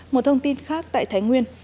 một thông tin khác tại thái nguyên